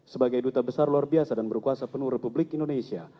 sebagai duta besar luar biasa dan berkuasa penuh republik indonesia